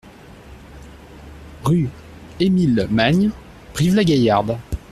Rue Emile Magne, Brive-la-Gaillarde